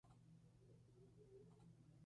Sus primera exhibiciones de arte fueron en Japón.